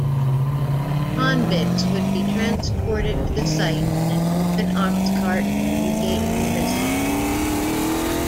Convicts would be transported to the site in an open ox-cart from Newgate Prison.